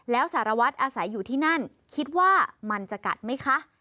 แล้วสารวัตรอาศัยอยู่ที่นั่นคิดว่ามันจะกัดไหมคะ